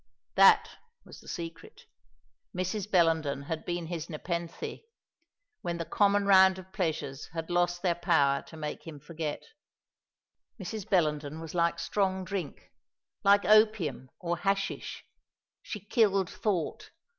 That was the secret. Mrs. Bellenden had been his Nepenthe, when the common round of pleasures had lost their power to make him forget. Mrs. Bellenden was like strong drink, like opium or hashish. She killed thought.